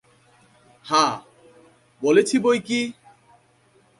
হাঁ, বলেছি বৈকি!